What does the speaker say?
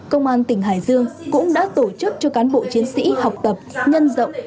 công an tỉnh hải dương cũng đã tổ chức cho cán bộ chiến sĩ học tập nhân rộng